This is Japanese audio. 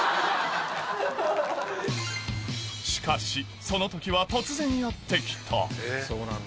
しかしその時は突然やって来たそうなんだ。